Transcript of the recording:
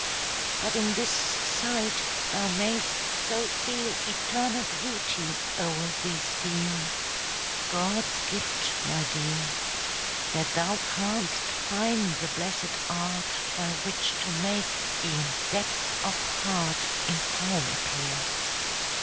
But in this sight thou may'st so feel Eternal beauty o'er thee steal God's gift, my dear That thou can'st find the blessed art By which to make e'en depths of heart In form appear.